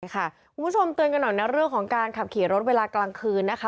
คุณผู้ชมเตือนกันหน่อยนะเรื่องของการขับขี่รถเวลากลางคืนนะคะ